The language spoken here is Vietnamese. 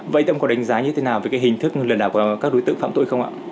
vậy ông có đánh giá như thế nào về hình thức lừa đảo qua các đối tượng phạm tội không ạ